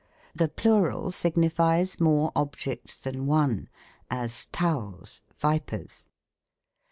The plural signifies more objects than one; as, towels, vipers.